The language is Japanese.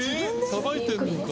さばいてるのか！